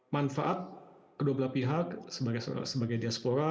manfaat kedua belah pihak sebagai diaspora